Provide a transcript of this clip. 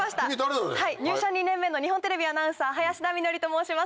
入社２年目の日本テレビアナウンサー林田美学と申します